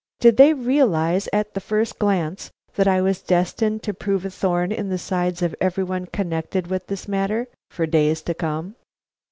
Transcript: Did they realize at the first glance that I was destined to prove a thorn in the sides of every one connected with this matter, for days to come?